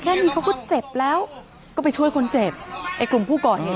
แค่นี้เขาก็เจ็บแล้วก็ไปช่วยคนเจ็บไอ้กลุ่มผู้ก่อเหตุ